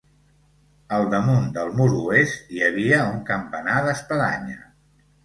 Al damunt del mur oest hi havia un campanar d'espadanya.